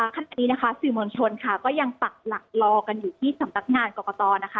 ขณะนี้นะคะสื่อมวลชนค่ะก็ยังปักหลักรอกันอยู่ที่สำนักงานกรกตนะคะ